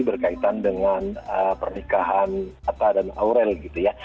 berkaitan dengan pernikahan atta dan aurel gitu ya